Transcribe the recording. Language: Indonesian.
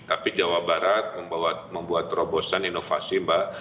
tapi jawa barat membuat terobosan inovasi mbak